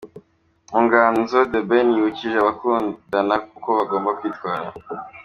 Mu nganzo The Ben yibukije abakundana uko bagomba kwitwara.